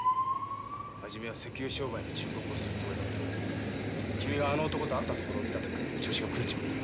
初めは石油商売の忠告をするつもりだったが君があの男と会ったところを見た時から調子が狂っちまった。